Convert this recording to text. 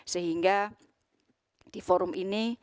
sehingga di forum ini